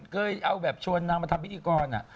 เคยเอาแบบชวนนางมาทำพิธีกร